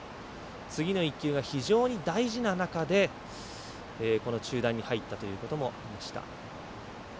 次の１球が非常に大事な中でこの中断に入ったということもありました。